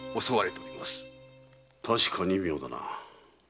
確かに妙だな。